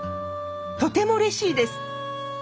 とてもうれしいです。